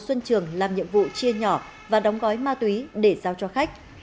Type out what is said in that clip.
xuân trường làm nhiệm vụ chia nhỏ và đóng gói ma túy để giao cho khách